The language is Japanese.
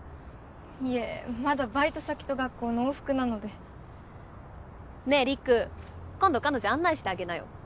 いえまだバイト先と学校の往復なのでねえ陸今度彼女案内してあげなよ